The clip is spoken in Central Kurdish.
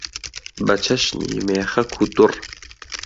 بە چەشنی مێخەک و دوڕ